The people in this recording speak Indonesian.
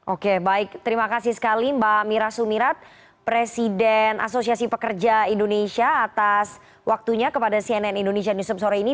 oke baik terima kasih sekali mbak mira sumirat presiden asosiasi pekerja indonesia atas waktunya kepada cnn indonesia newsom sore ini